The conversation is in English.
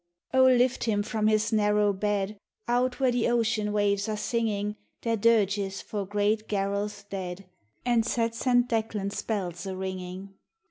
" Oh, lift him from his narrow bed Out where the ocean waves are singing Their dirges for great Garalth dead, And set Saint Declan's bells a ringing